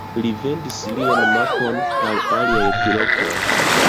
Li vendis lian mapon al aliaj pilotoj.